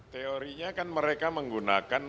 teorinya kan mereka menggunakan